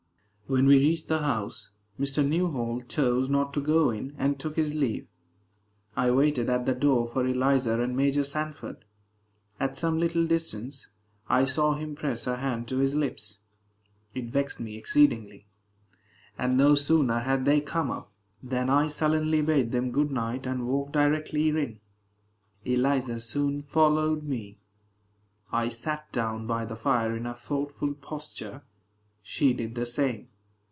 When we reached the house, Mr. Newhall chose not to go in, and took his leave. I waited at the door for Eliza and Major Sanford. At some little distance, I saw him press her hand to his lips. It vexed me exceedingly; and no sooner had they come up, than I sullenly bade them good night, and walked directly in. Eliza soon followed me. I sat down by the fire in a thoughtful posture. She did the same.